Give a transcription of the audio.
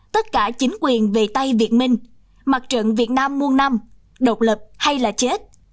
tất cả chính quyền về tay việt minh mặt trận việt nam muôn năm độc lập hay là chết